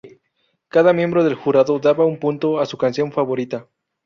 Cada miembro del jurado daba un punto a su canción favorita.